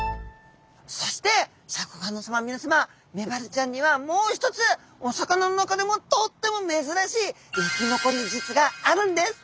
そしてシャーク香音さまみなさまメバルちゃんにはもう一つお魚の中でもとっても珍しい生き残り術があるんです。